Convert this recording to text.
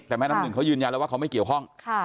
แต่แม่น้ำหนึ่งเขายืนยันแล้วว่าเขาไม่เกี่ยวข้อง